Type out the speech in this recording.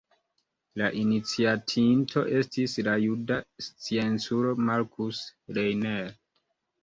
La iniciatinto estis la juda scienculo Markus Reiner.